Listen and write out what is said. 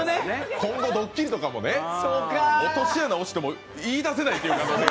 今後、ドッキリとかもね、落とし穴に落ちても言いだせないっていう感じが。